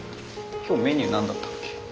今日メニュー何だったっけ？